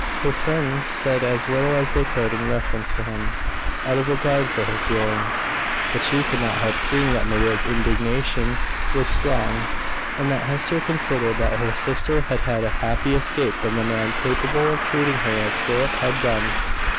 Her friends said as little as they could in reference to him, out of regard for her feelings; but she could not help seeing that Maria's indignation was strong, and that Hester considered that her sister had had a happy escape from a man capable of treating her as Philip had done.